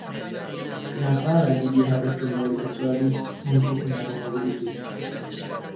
Kenapa lagi dia harus kembali kecuali untuk menaruh mobil itu?